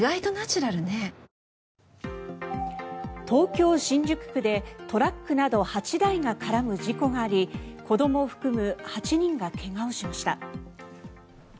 東京・新宿区でトラックなど８台が絡む事故があり子どもを含む８人が怪我をしました。